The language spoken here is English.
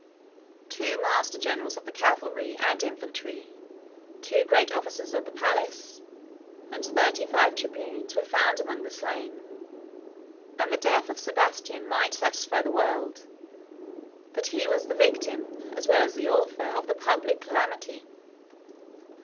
93 Two master generals of the cavalry and infantry, two great officers of the palace, and thirty five tribunes, were found among the slain; and the death of Sebastian might satisfy the world, that he was the victim, as well as the author, of the public calamity.